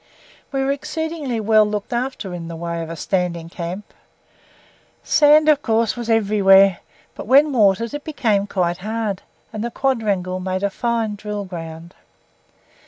We were exceedingly well looked after in the way of a standing camp. Sand of course was everywhere, but when watered it became quite hard, and the quadrangle made a fine drill ground.